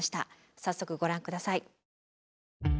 早速ご覧下さい。